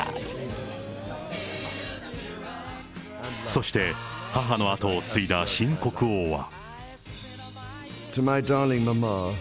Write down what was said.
そして母の跡を継いだ新国王は。